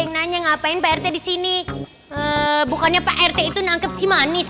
saya nanya ngapain pak rt di sini bukannya pak rt itu nangkep si manis